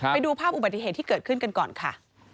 ไปดูภาพอุบัติเหตุที่เกิดขึ้นกันก่อนค่ะ